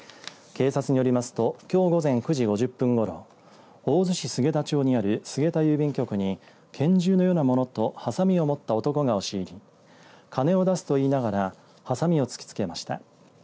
警察によりますときょう午前９時５０分ごろ大洲市菅田町にある菅田郵便局に拳銃のようなものとはさみを持った男が押し入り金を出せと言いながらはさみを突きつけました。